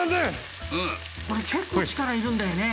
これ結構力いるんだよね。